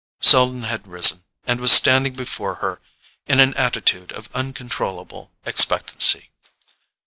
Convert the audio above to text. Selden had risen, and was standing before her in an attitude of uncontrollable expectancy.